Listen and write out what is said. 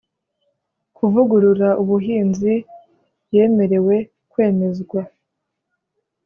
Kuvugurura Ubuhinzi yemerewe kwemezwa